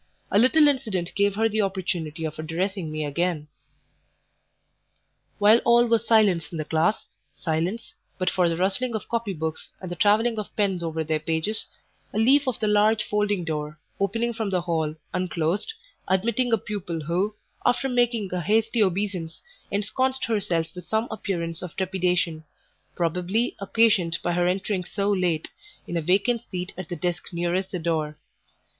A little incident gave her the opportunity of addressing me again. While all was silence in the class silence, but for the rustling of copy books and the travelling of pens over their pages a leaf of the large folding door, opening from the hall, unclosed, admitting a pupil who, after making a hasty obeisance, ensconced herself with some appearance of trepidation, probably occasioned by her entering so late, in a vacant seat at the desk nearest the door.